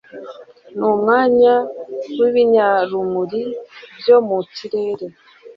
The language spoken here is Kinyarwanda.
n'umwanya w'ibinyarumuri byo mu kirere